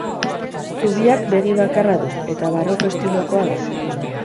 Zubiak begi bakarra du eta barroko estilokoa da.